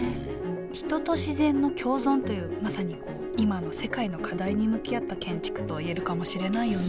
人と自然の共存というまさに今の世界の課題に向き合った建築といえるかもしれないよね